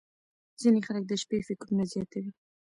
• ځینې خلک د شپې فکرونه زیاتوي.